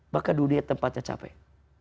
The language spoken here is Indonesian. maka dunia tempatnya capek